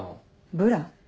ブラ？